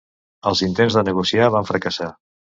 Els intents de negociar van fracassar.